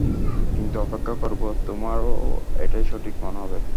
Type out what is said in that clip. কিন্তু অপেক্ষা করবো, তোমারও এটাই সঠিক মনে হবে।